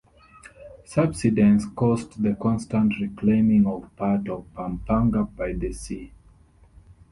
Subsidence caused the constant reclaiming of parts of Pampanga by the sea.